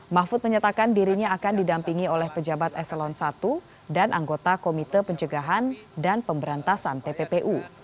mahfud menyatakan dirinya akan didampingi oleh pejabat eselon i dan anggota komite pencegahan dan pemberantasan tppu